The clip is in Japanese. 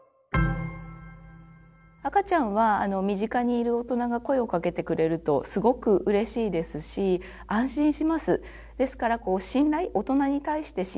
赤ちゃんは身近にいる大人が声をかけてくれるとすごくうれしいですし安心します。